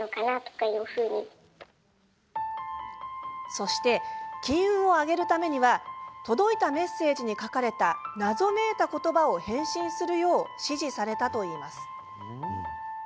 そして、金運を上げるためには届いたメッセージに書かれた謎めいた言葉を返信するよう指示されたといいます。